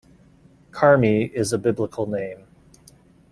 Carmi is a biblical name.